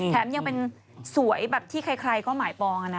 แถมยังเป็นสวยแบบที่ใครก็หมายปองนะ